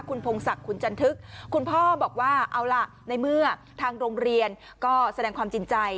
คุณพงศักดิ์คุณจันทึกคุณพ่อบอกว่าเอาล่ะในเมื่อทางโรงเรียนก็แสดงความจริงใจ